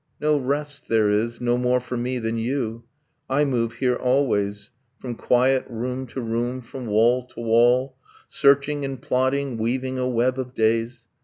No rest there is, No more for me than you. I move here always, From quiet room to room, from wall to wall, Searching and plotting, weaving a web of days.